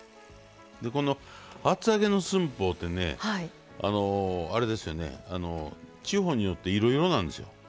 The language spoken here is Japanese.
でこの厚揚げの寸法ってね地方によっていろいろなんですよ。